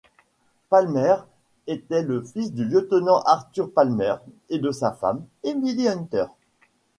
Palmer était le fils du lieutenant Arthur Palmer et de sa femme, Emily Hunter.